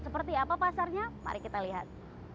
seperti apa pasarnya mari kita lihat